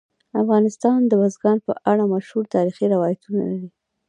افغانستان د بزګان په اړه مشهور تاریخی روایتونه لري.